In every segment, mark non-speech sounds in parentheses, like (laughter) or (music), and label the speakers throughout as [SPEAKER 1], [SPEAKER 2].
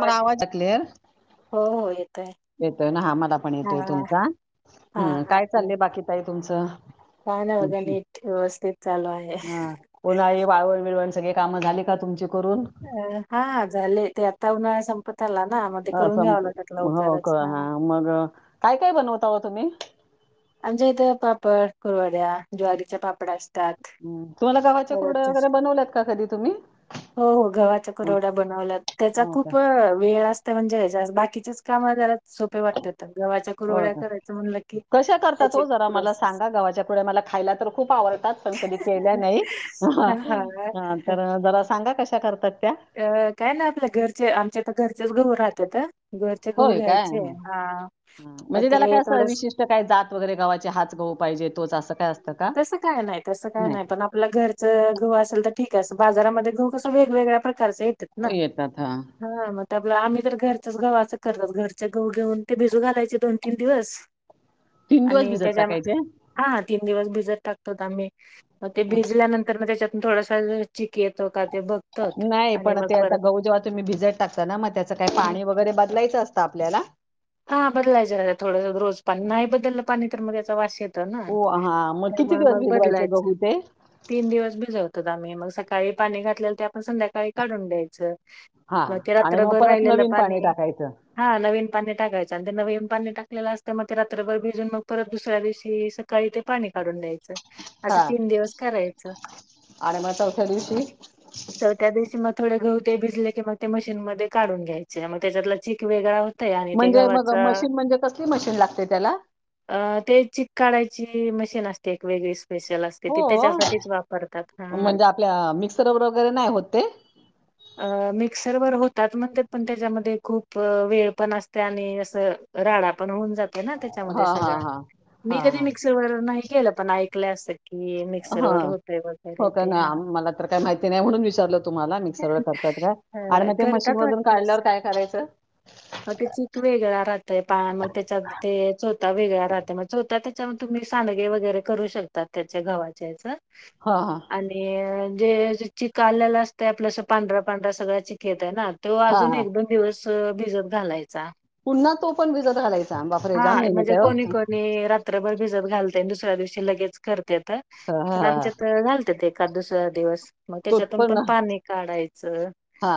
[SPEAKER 1] मी आवाज क्लिअर
[SPEAKER 2] हो हो येतोय
[SPEAKER 1] येतोय ना हा मला पण
[SPEAKER 2] हा
[SPEAKER 1] येतोय तुमचा
[SPEAKER 2] हा
[SPEAKER 1] हम्म
[SPEAKER 2] हा
[SPEAKER 1] काय
[SPEAKER 2] ठीक.
[SPEAKER 1] चाललय बाकी ताई तुमच
[SPEAKER 2] काय नाही बघा नीट व्यवस्थित चालू आहे.
[SPEAKER 1] उन्हाळी वाळवण विळवण सगळे काम झाली का तुमची?
[SPEAKER 2] अ हा झाले ते आता उन्हाळा संपत आला ना मग ते
[SPEAKER 1] अ
[SPEAKER 2] करून
[SPEAKER 1] संप
[SPEAKER 2] घ्यावं लागत
[SPEAKER 1] हो का
[SPEAKER 2] लवकरच
[SPEAKER 1] हा मग काय काय बनवताव तुम्ही.
[SPEAKER 2] आमच्या इथं पापड, कुरवड्या ज्वारीच्या पाप पापड असतात.
[SPEAKER 1] हम्म. तुम्हाला गव्हाच्या कुरड्या वगैरे बनवल्यात का कधी तुम्ही
[SPEAKER 2] हो हो गव्हाच्या
[SPEAKER 1] हो
[SPEAKER 2] कुरड्या बनवल्या त्याचा
[SPEAKER 1] हो का
[SPEAKER 2] खूप वेळ असते म्हणजेच त्यात बाकीचेच काम घरात सोपे वाटतात गव्हाच्या कुरवड्या करायचं म्हणलं की
[SPEAKER 1] तर
[SPEAKER 2] त्याची
[SPEAKER 1] तो जरा मला
[SPEAKER 2] प्रोसेस
[SPEAKER 1] गव्हाच्या कुरडया मला खायला तर खुप आवडतात पण कधी केल्या नाही हा तर जरा सांगा कशा करतात. त्या
[SPEAKER 2] अ काय ना आपल्या घरचे आमच्या तर घरचेच गहु राहत्या. त त
[SPEAKER 1] होय काय ह
[SPEAKER 2] मग
[SPEAKER 1] म्हणजे त्याला काय
[SPEAKER 2] ते
[SPEAKER 1] असं
[SPEAKER 2] थोडंसं
[SPEAKER 1] विशिष्ट काय जात वगैरे गाव्हाचे हाच गहू पाहिजे तोच असं काय असत.
[SPEAKER 2] तसं काय नाही तसं काय नाही पण आपल घरच गहु असेल तर ठीक बाजारामध्ये गहू कसं वेगवेगळ्या पद्धतीच खर्चाय येतेत ना
[SPEAKER 1] येतात हां.
[SPEAKER 2] आम्ही तर घरच्याच गव्हाचं करतात ते घरचं गहू घेऊन भिजू घालायचे दोन-तीन दिवस
[SPEAKER 1] तीन दिवस भिजत टाकायचे
[SPEAKER 2] तीन दिवस भिजत टाकतोत आम्ही मग ते
[SPEAKER 1] हं.
[SPEAKER 2] भिजल्यानंतर त्याच्यात थोडसा
[SPEAKER 1] नाही पण
[SPEAKER 2] मग
[SPEAKER 1] ते आता
[SPEAKER 2] परत
[SPEAKER 1] गह जेव्हा तुम्ही भिजत टाकता ना मग त्याचं काय पाणी वगैरे बदलायचं असतं आपल्याला
[SPEAKER 2] हा बदलायचं ना थोडं पाणी नाही बदललं तर मग त्याचा वास येतो येतो ना
[SPEAKER 1] ओ हां, मग किती
[SPEAKER 2] त्यामुळे
[SPEAKER 1] दिवस
[SPEAKER 2] मग
[SPEAKER 1] भिजवायचे
[SPEAKER 2] बदलायचं
[SPEAKER 1] गहू ते?
[SPEAKER 2] तीन दिवस भिजत होता आम्ही मग सकाळी पाणी घातल्यावर संध्याकाळी काढून द्यायचं
[SPEAKER 1] हां.
[SPEAKER 2] ते
[SPEAKER 1] आणि मग
[SPEAKER 2] रात्रभर
[SPEAKER 1] परत
[SPEAKER 2] राहिलेलं
[SPEAKER 1] नवीन
[SPEAKER 2] पाणी
[SPEAKER 1] टाकायचं.
[SPEAKER 2] हा नवीन पाण्या टाकायचं आणि ते नवीन पाणी टाकलेलं असते मग ते रात्रभर भिजून मग परत दुसऱ्या दिवशी काळी ते पाणी काढून द्यायचं असं
[SPEAKER 1] हां.
[SPEAKER 2] तीन दिवस करायचं
[SPEAKER 1] आणि मग चौथ्या दिवशी
[SPEAKER 2] च त्या दिवशी मग थोडे गहू ते भिजले की मग ते मशीन मध्ये काढून घ्यायचे आणि मग त्याचा चीक वेगळा होतंय
[SPEAKER 1] म्हणजे मग मशीन म्हणजे कसली मशीन लागते त्याला
[SPEAKER 2] अ ते चीक काढायची मशीन असते एक वेगळीच
[SPEAKER 1] हो
[SPEAKER 2] हा.
[SPEAKER 1] म्हणजे आपल्या मिक्सरवर वगैरे नाही होते ते
[SPEAKER 2] अ मिक्सर वर होतात म्हणत पण त्याच्यामध्ये खूप वेळ पण असते आणि असं राडा पण होऊन जात त्याच्यामध्ये
[SPEAKER 1] हां, हां,
[SPEAKER 2] सगळं
[SPEAKER 1] हां.
[SPEAKER 2] मी
[SPEAKER 1] हां,
[SPEAKER 2] कधी मिक्सर वर नाही केलं पण ऐकलंय असेल
[SPEAKER 1] हा हो का
[SPEAKER 2] ते हां.
[SPEAKER 1] नाही मला तर काय माहिती नाही म्हणून विचारलं तुम्हाला मी
[SPEAKER 2] करतात
[SPEAKER 1] काढल्यावर
[SPEAKER 2] वाटत
[SPEAKER 1] काय करायचं
[SPEAKER 2] मग ते चीक वेगळा राहतय पा मग त्याच्यात ते चोथा वेगळा राहत मग चोथ त्यामुळे तुम्ही सांडगे वगैरे करू शकतात त्याचे गव्हाचे आहेत ते
[SPEAKER 1] हा हा
[SPEAKER 2] आणि जे चेक आलेला असता यात पांढरा पांढरा सगळा चिक येते ना तो
[SPEAKER 1] हा
[SPEAKER 2] अजून
[SPEAKER 1] हा
[SPEAKER 2] एक दोन दिवस भिजत घालायचा
[SPEAKER 1] तो पण भिजत घालायचा बापरे
[SPEAKER 2] हा
[SPEAKER 1] जाम मेहनत
[SPEAKER 2] म्हणजे
[SPEAKER 1] आहे हो
[SPEAKER 2] कोणी कोणी रात्रभर भिजत घालते दुसऱ्या दिवशी लगेच करते
[SPEAKER 1] हा हा
[SPEAKER 2] पण
[SPEAKER 1] हा हा.
[SPEAKER 2] आमच्यात घालतेत एकाच दुसरा दिवस मग त्याच्यातून पण पाणी काढायचं
[SPEAKER 1] हा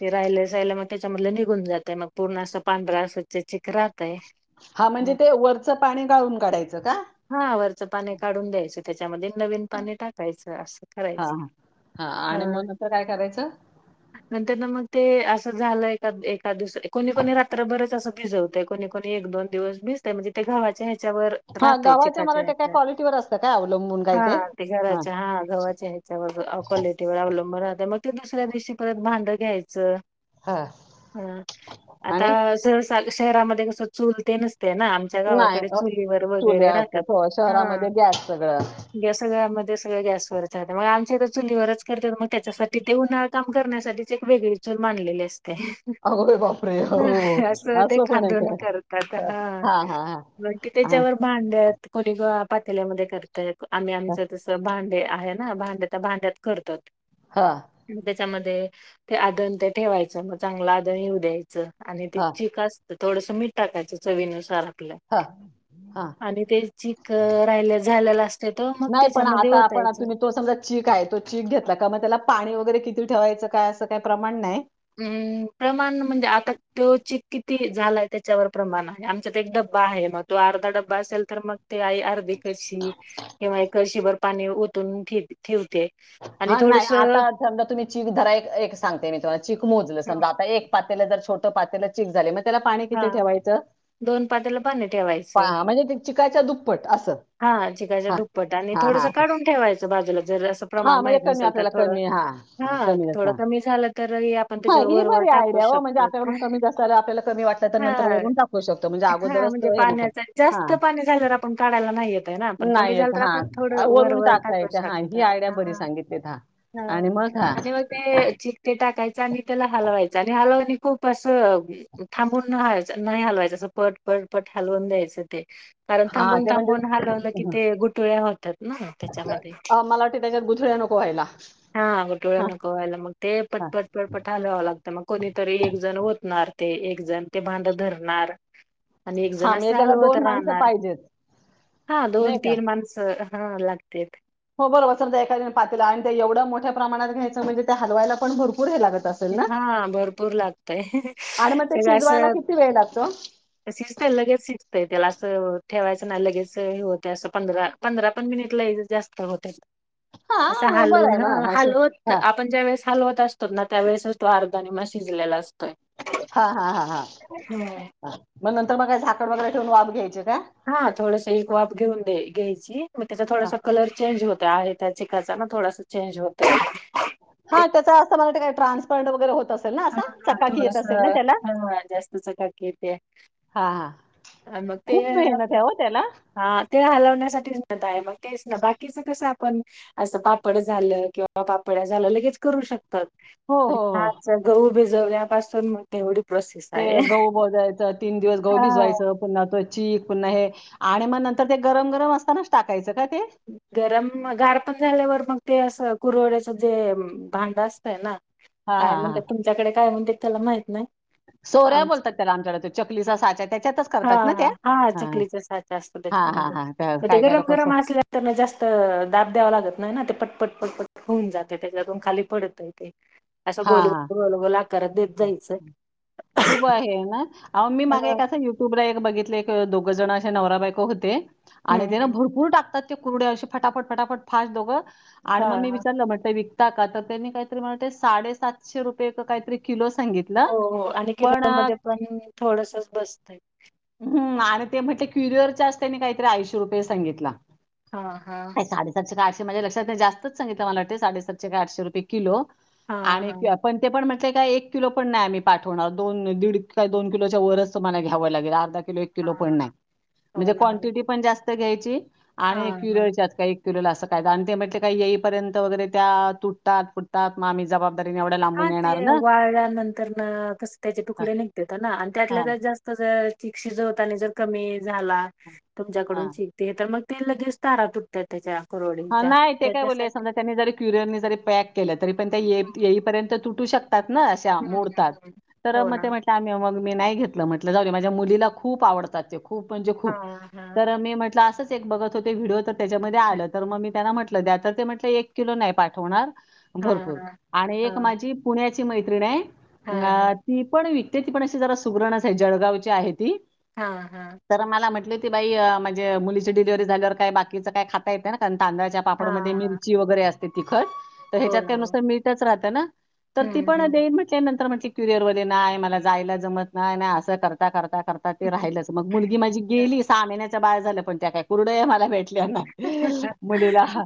[SPEAKER 2] ते राहिलेलं मग तेच्या मधल निघून जातय मग पूर्ण आस पांढरा आस ते चिख रा
[SPEAKER 1] हा म्हणजे ते वरचं पाणी गाळून काढायचं का?
[SPEAKER 2] च पानी काढून द्यायच तेच्यामध्ये नवीन पाणी टाकायचं आसं
[SPEAKER 1] हा
[SPEAKER 2] करायच
[SPEAKER 1] हा
[SPEAKER 2] हा
[SPEAKER 1] आणि मग नंतर काय करायचं
[SPEAKER 2] नंतर न मग ते आसं झालंय काय (unintelligible) कोणी कोणी रात्रभरच आस (unintelligible) कोणी कोणी एक दोन दिवस भिजतय म्हणजे ते गव्हाच्या हेग च्या वर
[SPEAKER 1] हा
[SPEAKER 2] राहतय
[SPEAKER 1] गव्हाच्या मला
[SPEAKER 2] चिकाच्या
[SPEAKER 1] वाटतं काय
[SPEAKER 2] हेच्यावर
[SPEAKER 1] क्वालिटीवर असतं काय अवलंबून काय
[SPEAKER 2] हा ते घराच्या हा गव्हाच्या हेच्यावर कॉलिटीवर आवलंब राह मग ते दुसऱ्या दिवशी परत भांड घ्यायचं.
[SPEAKER 1] हा
[SPEAKER 2] हा आता
[SPEAKER 1] आणि
[SPEAKER 2] सरळ सा मिक्सरामध्ये तेन स्वच्छ (unintelligible) ते ना आमच्या
[SPEAKER 1] नाही
[SPEAKER 2] गावाकडे
[SPEAKER 1] अ,
[SPEAKER 2] चुलीवर वगैरे
[SPEAKER 1] चुल्या असतात
[SPEAKER 2] राखत
[SPEAKER 1] हो
[SPEAKER 2] हा
[SPEAKER 1] शहरामध्ये गॅस सगळं
[SPEAKER 2] या सगळ्यामध् ते सगळं गॅसवरच हाय त्यामुळ आमच्या इथं चुलीवरच करत मग तेच्यासाठी ते उन्हाळ काम करण्यासाठीच एक वगळी चूल मांडलेली आस
[SPEAKER 1] आरे बापरे हो
[SPEAKER 2] असं ते
[SPEAKER 1] आसं पण आहे
[SPEAKER 2] खांदून
[SPEAKER 1] काय?
[SPEAKER 2] करतात
[SPEAKER 1] हां,
[SPEAKER 2] हा
[SPEAKER 1] हां, हां, हां,
[SPEAKER 2] बाकी तेच्यावर भांडत कोडीगोळा पातेल्यामध्ये करताय. आम्ही आमचं तसं भांडे आहे ना भांड्या भांड्यात करतो.
[SPEAKER 1] हा
[SPEAKER 2] च्यामध्ये ते आदन ते ठेवायचं मग चांगलं आदन येऊ द्यायचं आणि ती
[SPEAKER 1] हां,
[SPEAKER 2] चीक आस तर थोडसं मीठ टाकायच चवीनुसार तेलात
[SPEAKER 1] हां, हां.
[SPEAKER 2] आणि ते चिक राहीले झालेला असत
[SPEAKER 1] नाही पण आता आपण तुम्ही तो समजा चीक आहे तो चीक घेतला का मग त्याला पाणी वगैरे किती किती ठेवायचं काय आसं काय प्रमाण नाही?
[SPEAKER 2] हम् प्रमाण म्हणजे आता तो चीक किती झालाय तेच्यावर प्रमाण आहे आमच्यात एक डब्बा आहे मग तो अर्धा डब्बा असेल तर मग ते आहे अर्धी कळशी किंवा एक कळशीभर पाणी ओतून ठे ठेव
[SPEAKER 1] हा नाही आता समजा तुम्ही चिक धरा एक एक सांगते मी तुम्हाला चिक मोजलं समजा आता एक त्याला तर छोटं पातेल चीक झाले म
[SPEAKER 2] हा दोन पातेलं पाणी ठेवायचं
[SPEAKER 1] पा- म्हणजे ते चिकाच्या दुप्पट असं
[SPEAKER 2] हा चिकाच्या
[SPEAKER 1] हां
[SPEAKER 2] दुप्पट आणि
[SPEAKER 1] हां
[SPEAKER 2] थोडसं
[SPEAKER 1] हां
[SPEAKER 2] काढून ठेवायचं ते बाजुला जर अस प्रमाण
[SPEAKER 1] हां म्हणजे
[SPEAKER 2] माहीत
[SPEAKER 1] कमी
[SPEAKER 2] नसेल तर
[SPEAKER 1] आपल्याला
[SPEAKER 2] थोडं
[SPEAKER 1] कमी हां हां
[SPEAKER 2] हा
[SPEAKER 1] कमी जास्त
[SPEAKER 2] थोडं
[SPEAKER 1] हां
[SPEAKER 2] कमी झालं तर ही आपण
[SPEAKER 1] हां,
[SPEAKER 2] त्याच्यावर
[SPEAKER 1] ही
[SPEAKER 2] वरवर
[SPEAKER 1] बरी
[SPEAKER 2] टाकू
[SPEAKER 1] आयडिया हो म्हणजे
[SPEAKER 2] शकतं तर
[SPEAKER 1] आपल्याकडून कमी जास्त आलं आपल्याला कमी वाटलं तर
[SPEAKER 2] हा
[SPEAKER 1] नंतर वरून टाकू शकतो म्हणजे
[SPEAKER 2] हा हा
[SPEAKER 1] अगोदरच
[SPEAKER 2] म्हणजे
[SPEAKER 1] तो हे नको
[SPEAKER 2] पाण्याचा
[SPEAKER 1] हां
[SPEAKER 2] जास्त पाणी झाल्यावर आपण काढायला नाही येतय ना पण कमी
[SPEAKER 1] नाही
[SPEAKER 2] झालं
[SPEAKER 1] येत
[SPEAKER 2] तर
[SPEAKER 1] हा
[SPEAKER 2] आपण
[SPEAKER 1] अ,
[SPEAKER 2] थोडं वर
[SPEAKER 1] वरून
[SPEAKER 2] वर
[SPEAKER 1] टाकता
[SPEAKER 2] टाकू
[SPEAKER 1] येते हा
[SPEAKER 2] शक
[SPEAKER 1] ही आयडिया बरी सांगितलीत हा आणि मग हा
[SPEAKER 2] आणि मग ते चिकते टाकायचं आणि त्याला हलवायचं आणि हलवली खूप असं वि नाही हलवायचं असं पट पट पट हलवून द्यायचं ते कारण
[SPEAKER 1] हा
[SPEAKER 2] थांबून
[SPEAKER 1] ते म्हणजे
[SPEAKER 2] थांबून हलवलं की ते गुटळ्या होतात ना त्याच्यामधे
[SPEAKER 1] अ, मला वाटते त्याच्यात गुठळ्या नको व्हायला
[SPEAKER 2] हा गुटळ्या
[SPEAKER 1] हा
[SPEAKER 2] नको व्हायला मग ते
[SPEAKER 1] हा
[SPEAKER 2] पटपट पटपट हलवावं लागतं मग कोणीतरी एक जण ओतणार ते एक जण ते भांड धरणार आणि एक जण
[SPEAKER 1] हा म्हणजे
[SPEAKER 2] असं
[SPEAKER 1] त्याला
[SPEAKER 2] हलवत
[SPEAKER 1] दोन माणसं
[SPEAKER 2] राहणार
[SPEAKER 1] पाहिजेत
[SPEAKER 2] हा दोन
[SPEAKER 1] नाही का
[SPEAKER 2] तीन माणसं ह लागत्यात
[SPEAKER 1] हो बरोबर समजा एखादयाने पातेल आणि ते एवढं मोठ्या प्रमाणात घ्यायचं म्हणजे त्या हलवायला पण भर
[SPEAKER 2] हा भरपूर लागतय
[SPEAKER 1] आणि मग ते
[SPEAKER 2] सगळं अस
[SPEAKER 1] शिजवायला किती वेळ लागतो
[SPEAKER 2] शिजतयं लगेच शिजतयं त्याला अस ठेवायचं नाय लगेच हे होतय असं पंधरा पंधरा पण मिनिट लय जास्त होतेत
[SPEAKER 1] हा
[SPEAKER 2] असं
[SPEAKER 1] मग बरं
[SPEAKER 2] हलवुन
[SPEAKER 1] आहे
[SPEAKER 2] ह
[SPEAKER 1] मग हा अशी
[SPEAKER 2] हलवत
[SPEAKER 1] हा
[SPEAKER 2] आपण ज्या वेळेस हालवत असतात ना त्यावेळेसच तो अर्धा निम्मा शिजल्याला अस
[SPEAKER 1] हा हा हा हा मग नंतर मग काय झाकण वगैरे ठेवून वाफ घ्यायची का
[SPEAKER 2] हा थोडस एक वाफ घेऊन दयाय घ्यायची मग त्याचा
[SPEAKER 1] हा
[SPEAKER 2] थोडासा कलर चेंज होत त्या आहे त्या चिकाचा ना थोडासा चेंज होत
[SPEAKER 1] हा त्याच असं मला वाटत काय ट्रान्सपरंट वगैरे होत अस
[SPEAKER 2] ह थोडस जास्त चकाकी येतेय
[SPEAKER 1] हा हा
[SPEAKER 2] मग ते
[SPEAKER 1] खूप मेहनत आहे हो त्याला.
[SPEAKER 2] हा ते हलव कशाटी झुरत हाय तो तेच ना बाकी सगळं सा पण असं पापड झालं किंवा पापड्या झाल्या लगेच करू शकतात
[SPEAKER 1] हो हो हो
[SPEAKER 2] मुग भिजवल्यापासून मग तेवढी प्रोसेस
[SPEAKER 1] ते
[SPEAKER 2] आहे
[SPEAKER 1] गहू बजायचं तीन दिवस गहू
[SPEAKER 2] हा
[SPEAKER 1] भिजवायचं पुन्हा तेच चिप नाय आणि म नंतर ते गरम गरम असतानाच टाकायच का ते
[SPEAKER 2] गरम गार पण झाल्यावर मग ते असं कुरवड्याचं जे भांड असतंय ना
[SPEAKER 1] हां,
[SPEAKER 2] काय
[SPEAKER 1] हां,
[SPEAKER 2] म्हणतात
[SPEAKER 1] हां.
[SPEAKER 2] तुमच्याकडे काय म्हणतेत त्याला माहीत नाही
[SPEAKER 1] सोऱ्या बोलतात त्याला आमच्याकडे चकलीचा साच्या त्याच्यातच
[SPEAKER 2] हां
[SPEAKER 1] करतात ना त्या
[SPEAKER 2] हां हां हां. चकलीचा साचा असतो
[SPEAKER 1] हा हा
[SPEAKER 2] त्याच्यामध्ये.
[SPEAKER 1] हा
[SPEAKER 2] मग ते
[SPEAKER 1] काय काय
[SPEAKER 2] गरम
[SPEAKER 1] लोक अस
[SPEAKER 2] गरम असल्या जास्त दाब द्यावा लागत नाही ना ते पटपट पटपट होऊन जाते त्याच्यातून खाली पडत ते असं गोल
[SPEAKER 1] हां, हां,
[SPEAKER 2] गोल (inaudible) लागत
[SPEAKER 1] खूप आहे ना ओ मी माग
[SPEAKER 2] हां
[SPEAKER 1] एक असं युट्यूबला एक बघितल एक दोघ जण असे नवरा बायक होते आणि ते ना
[SPEAKER 2] हम्म
[SPEAKER 1] भरपूर टाकतात ते कुरडे असे फटाफट फटाफट फास्ट दोघं आणि मग
[SPEAKER 2] हां
[SPEAKER 1] मी
[SPEAKER 2] हां.
[SPEAKER 1] विचारलं म्हटल का त्यांनी काहीतरी म्हण ते साडेसातशे रुपये काहीतरी किलो सांगितलं.
[SPEAKER 2] हो हो आणि
[SPEAKER 1] पण
[SPEAKER 2] किलो
[SPEAKER 1] अ,
[SPEAKER 2] ममध्ये पण थोडसच बसतय
[SPEAKER 1] हं आणि ते म्हटले क्युरिअरच्या अस त्यांनी काहीतरी ऐंशी रुपये सांगितला
[SPEAKER 2] हां हां
[SPEAKER 1] साडे सातशे काय आठशे माझ्या लक्षात नाही जास्तच सांगितला मला वाटतय साडे सातशे काय आठशे रुपये किलो
[SPEAKER 2] हां
[SPEAKER 1] आणि
[SPEAKER 2] हां.
[SPEAKER 1] पण ते पण ते काय एक किलो पण नाही, आम्ही पाठवणार दोन दीड काय दोन किलोच्या वरच तुम्हाला घ्यावं लागेल, अर्धा किलो एक किलो
[SPEAKER 2] हां,
[SPEAKER 1] पण नाय
[SPEAKER 2] हां. हो
[SPEAKER 1] म्हणजे
[SPEAKER 2] ना हो ना
[SPEAKER 1] क्वांटिटी पण जास्त तर घ्यायची. आणि (inaudible)
[SPEAKER 2] हां
[SPEAKER 1] किलो
[SPEAKER 2] हां.
[SPEAKER 1] ला असं काय आणि ते येऊपर्यंत काही येईपर्यंत वगैरे, त्या तुटतात, फुटतात मग आम्ही जबाबदार तर मी एवढ्या लांबून
[SPEAKER 2] हां, ते
[SPEAKER 1] येणार.
[SPEAKER 2] वाळल्यानंतर ना कस त्याचे
[SPEAKER 1] हां
[SPEAKER 2] तुकडे निघते ना आणि त्यातल्या त्या जास्त शिजवताना जर कमी, झाला
[SPEAKER 1] हां
[SPEAKER 2] तुमच्याकडून
[SPEAKER 1] हां
[SPEAKER 2] शिकतेय तर मग ते लगेच तारा तुटतात त्याच्या,
[SPEAKER 1] हा
[SPEAKER 2] कुरवडीच्या.
[SPEAKER 1] नाही ते काय बोलले
[SPEAKER 2] त्याच्यासाठी
[SPEAKER 1] समजा त्यांनी जरी, क्युरियननी जरी पॅक केलं तरी पण त्या
[SPEAKER 2] हं,
[SPEAKER 1] येईपर्यंत तु टू शकता. तात ना अश्या
[SPEAKER 2] हं.
[SPEAKER 1] मोडतात
[SPEAKER 2] हं.
[SPEAKER 1] तर
[SPEAKER 2] हो
[SPEAKER 1] मग
[SPEAKER 2] ना.
[SPEAKER 1] ते म्हटले आम्हीं मी नाही घेतलं म्हटलं, जाऊ दे माझ्या मुलीला खूप आवडतात ते, खूप म्हणजे खूप
[SPEAKER 2] हां, हां.
[SPEAKER 1] तर मी म्हटलं असंच बघत होते व्हडिओ, त्याच्यामध्ये आलं. मग मी त्यांना म्हटलं त्या ते म्हटलं एक किलो नाही पाठवणार
[SPEAKER 2] हां,
[SPEAKER 1] भरपूर
[SPEAKER 2] हां.
[SPEAKER 1] आणि एक
[SPEAKER 2] हां, हां,
[SPEAKER 1] माझी पुण्यात ती मैत्रिण आहे. आ
[SPEAKER 2] हां.
[SPEAKER 1] ती पण वी ती पण अशी जरा सुगरण आहे. जळगावची आहे ती.
[SPEAKER 2] हां, हां.
[SPEAKER 1] तर मला म्हटले, ते बाई म्हणजे मुलीची डिलिव्हरी झाल्यावर काय बाकीचं काय खाता येत ना कारण तांदळाच्या पापडमध्ये
[SPEAKER 2] हां.
[SPEAKER 1] मिरची वगैरे असते. ते तिखंट तर
[SPEAKER 2] हो
[SPEAKER 1] ह्याच्यात
[SPEAKER 2] ना. हो.
[SPEAKER 1] त्यानुसार मीठ राहते. त ना तर ती
[SPEAKER 2] हं,
[SPEAKER 1] पण
[SPEAKER 2] हं.
[SPEAKER 1] म्हटल्या नंतर म्हटली कुरियर वाला नाही मला जायला जमत नाही, नाही असं करता करता
[SPEAKER 2] हं,
[SPEAKER 1] ते राहिलच मग मुलगी माझी गेली सहा महिन्यात बाळ झालं पण त्या काय कुरडया मला भेटल्या भेटल्या नाहीत. मुलीला हा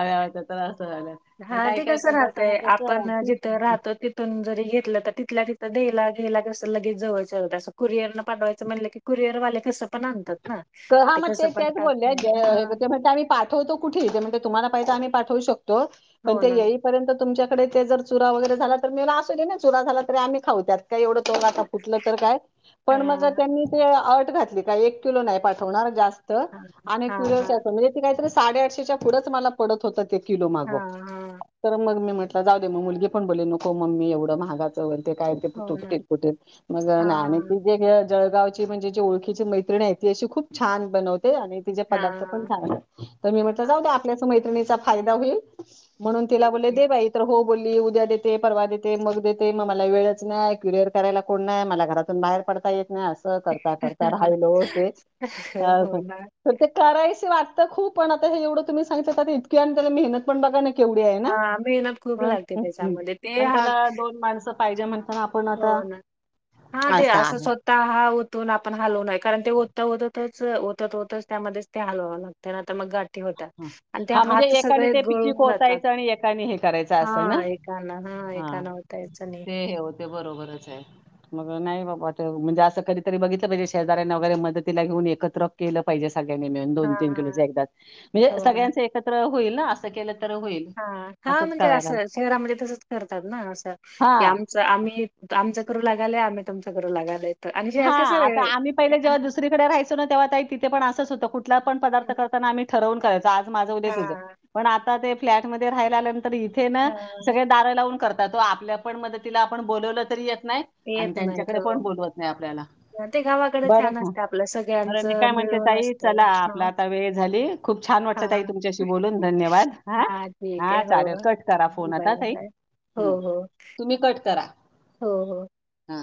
[SPEAKER 1] आया असतं असं झालं. आणि
[SPEAKER 2] हा
[SPEAKER 1] काही
[SPEAKER 2] ते
[SPEAKER 1] काही
[SPEAKER 2] कसं
[SPEAKER 1] पदार्थांना
[SPEAKER 2] राहतंय
[SPEAKER 1] कसं
[SPEAKER 2] आपण
[SPEAKER 1] खूप
[SPEAKER 2] जिथं राहतो तिथून जरी घेतलं तर तिथल्या तिथं तर द्यायला घ्यायला कसं लगेच जवळचं होतं असं कुरिअरनं पाठवायचं म्हटलं की कुरिअरवाले कसं पण आणतात. ना.
[SPEAKER 1] हा
[SPEAKER 2] ते
[SPEAKER 1] मग
[SPEAKER 2] कसं पण
[SPEAKER 1] तेच बोलल्या
[SPEAKER 2] टाकून हां,
[SPEAKER 1] जे आम्ही पाठवतो कुठे ते म्हणले तुम्हाला पैसा आम्ही पाठवू शक हो. पण
[SPEAKER 2] हो
[SPEAKER 1] ते
[SPEAKER 2] ना.
[SPEAKER 1] येईपर्यंत तुमच्या कडे ते जर चुरा वगैरे झाला तर मी असु दे ना चुरा झालं तरी आम्ही खाऊ त्यात. का एवढं आता फुटलं तर काय पण मग
[SPEAKER 2] हां,
[SPEAKER 1] त्यांनी ते अट घातली काय एक किलो नाही पाच होणार जास्त त
[SPEAKER 2] हां,
[SPEAKER 1] आणि
[SPEAKER 2] हां,
[SPEAKER 1] काय
[SPEAKER 2] हां, हां,
[SPEAKER 1] म्हणजे ते काय तर साडेआठशेच्या पुढंच मला पडत होतं किलो माग
[SPEAKER 2] हां.
[SPEAKER 1] तर मग मी म्हटलं जाऊ दे, मग मुलगी पण बोलली नको मम्मी एवढं महागाचं वैगरे काय ते
[SPEAKER 2] हो
[SPEAKER 1] तुट
[SPEAKER 2] ना.
[SPEAKER 1] फुटे मग आणि
[SPEAKER 2] हां,
[SPEAKER 1] त जे जळगावची म्हणजे जे ओळखीची मैत्रणी आहे ती अशी खूप छान बनवते. आणि तिचे पदार्थ पण
[SPEAKER 2] हां,
[SPEAKER 1] चांगले. कधी गले तर जाऊ
[SPEAKER 2] हां.
[SPEAKER 1] दे आपल्याच मैत्रीणच. चा फायदा होईल? म्हणून तिला बोलले दे बाई तर हो बोलली उद्या देते, परवा देते, मग देते मग मला वेळच नाही. कुरीयर करायला कोण नाही. मला घरातून बाहेर पडता येत नाही. नाही असं करता करता राहिल ओ ते. हा
[SPEAKER 2] हो ना.
[SPEAKER 1] ते करायचं वाटतं खूप पण हे आता एवढं तुम्ही सांगितलं इतकी आणि मेहतन पण बघा ना केवढी आहे ना
[SPEAKER 2] हां, मेहनत खूप
[SPEAKER 1] मग
[SPEAKER 2] लागते त्याच्यामध्ये. ते
[SPEAKER 1] आणि
[SPEAKER 2] हां,
[SPEAKER 1] त्याला दोन माणसं पाहिजे म्हणजे
[SPEAKER 2] हो ना. हा. ते असं स्वतः हा तो आपण हलवून कारण ते ओतच ओतच ओतच त्यामध्येच ते हलवावं लागते नाही तर मग गाठी होतात.
[SPEAKER 1] हं.
[SPEAKER 2] आणि ते
[SPEAKER 1] हां, म्हणजे
[SPEAKER 2] हात
[SPEAKER 1] एकाने
[SPEAKER 2] सगळे
[SPEAKER 1] ते चिक
[SPEAKER 2] गळून जातात.
[SPEAKER 1] ओतायचं आणि एकाने हे करायचं
[SPEAKER 2] हा
[SPEAKER 1] असं ना?
[SPEAKER 2] एकाना हा
[SPEAKER 1] हां.
[SPEAKER 2] एकाना होता ओटायचं नाही.
[SPEAKER 1] हे ते होते बरोबरच आहे. मग नाही बाबा म्हणजे असं कधीतरी बघितलं पाहिजे, शेजाऱ्यांनी वगैरे मदतीला घेऊन एकत्र केलं पाहिजे. सगळ्यांनी मिळून
[SPEAKER 2] हा
[SPEAKER 1] दोन, तीन किलो
[SPEAKER 2] हा
[SPEAKER 1] एकदाच. म्हणजे
[SPEAKER 2] हो ना
[SPEAKER 1] सगळ्यांचे एकत्र होईल ना असं केल तर होईल.
[SPEAKER 2] हा. हा
[SPEAKER 1] असंच
[SPEAKER 2] म्हणजे,
[SPEAKER 1] करायला
[SPEAKER 2] असं शहरामध्ये तसंच करतात ना? असं, की
[SPEAKER 1] हां.
[SPEAKER 2] आमचं आम्ही आमचं करू लागायला या आम्ही तुमचं करू लागायला येतो.
[SPEAKER 1] हा. आता आम्ही पहिले जेव्हा दुसरीकडे राहयचो ना, तेव्हा ताई तिथे पण असं होतं कुठला पण पदार्थ
[SPEAKER 2] हम्म,
[SPEAKER 1] करताना आम्ही ठरवून करायचो. आज माझं उदया तुझं.
[SPEAKER 2] हा
[SPEAKER 1] पण ते फ्लॅट मध्ये राहायला इथे ना,
[SPEAKER 2] हा
[SPEAKER 1] सगळे दार लावून करत तो आपल्या पण मदतीला आपण बोलावलं तरी येत नाहीत
[SPEAKER 2] येत
[SPEAKER 1] आणि
[SPEAKER 2] नाहीत
[SPEAKER 1] त्यांच्याकडे
[SPEAKER 2] हो
[SPEAKER 1] पण बोलवत नाही आपल्याला.,
[SPEAKER 2] ते गावाकडे
[SPEAKER 1] बरं
[SPEAKER 2] छान
[SPEAKER 1] ह
[SPEAKER 2] असतं आपलं
[SPEAKER 1] बरं मी
[SPEAKER 2] सगळ्यांचं
[SPEAKER 1] काय म्हणते
[SPEAKER 2] मिळून
[SPEAKER 1] ताई, चला
[SPEAKER 2] असतं.
[SPEAKER 1] आपला
[SPEAKER 2] हा
[SPEAKER 1] आता वेळ झाली. खूप छान वाटलं ताई
[SPEAKER 2] हा
[SPEAKER 1] तुमच्याशी बोलून धन्यवाद. हा
[SPEAKER 2] ठीक आहे
[SPEAKER 1] हा
[SPEAKER 2] हो.
[SPEAKER 1] चालेल कट करा फोन
[SPEAKER 2] बाय
[SPEAKER 1] आता ताई.
[SPEAKER 2] बाय. हो,
[SPEAKER 1] हम्म
[SPEAKER 2] हो.
[SPEAKER 1] तुम्ही कट करा करा.
[SPEAKER 2] हो हो.
[SPEAKER 1] हा.